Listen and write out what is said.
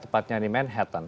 tepatnya di manhattan